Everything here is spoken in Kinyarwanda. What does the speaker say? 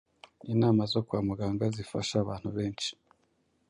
Inama zo kwa muganga zifasha abantu benshi.